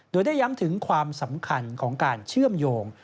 โดยได้ย้ำถึงความสำคัญของการเชื่อมโยง